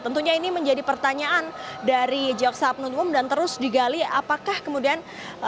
tentunya ini menjadi pertanyaan dari jok sabnunum dan terus digali apakah kemudian